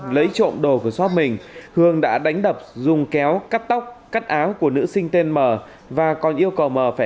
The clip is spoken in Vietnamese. lấy trộm đồ của shop mình hường đã đánh đập dùng kéo cắt tóc cắt áo của nữ sinh tên mờ và còn yêu cầu mờ phải